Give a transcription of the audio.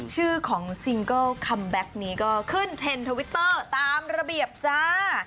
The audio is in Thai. ชื่อของซิงเกิลคัมแบ็คนี้ก็ขึ้นเทรนด์ทวิตเตอร์ตามระเบียบจ้า